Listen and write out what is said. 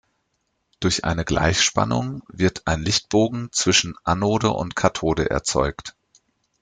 Durch eine Gleichspannung wird ein Lichtbogen zwischen Anode und Kathode erzeugt.